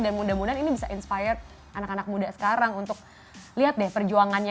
mudah mudahan ini bisa inspired anak anak muda sekarang untuk lihat deh perjuangannya